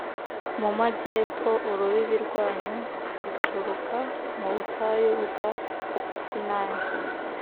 mu majyepfo, urubibi rwanyu ruturuka mu butayu bwa sinayi